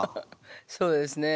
そうですね。